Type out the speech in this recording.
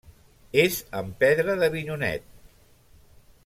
És en pedra d'Avinyonet.